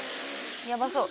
やばそう！